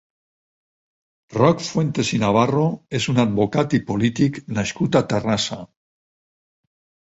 Roc Fuentes i Navarro és un advocat i polític nascut a Terrassa.